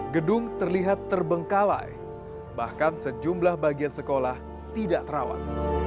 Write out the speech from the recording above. gedung terlihat terbengkalai bahkan sejumlah bagian sekolah tidak terawat